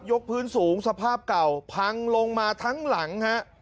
พื้นสูงสภาพเก่าพังลงมาทั้งหลังฮะ